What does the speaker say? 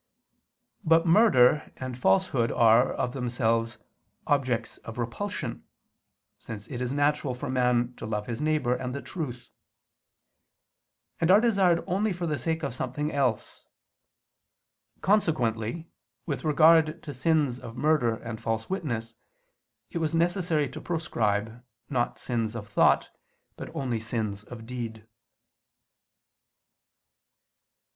But murder and falsehood are, of themselves, objects of repulsion (since it is natural for man to love his neighbor and the truth): and are desired only for the sake of something else. Consequently with regard to sins of murder and false witness, it was necessary to proscribe, not sins of thought, but only sins of deed.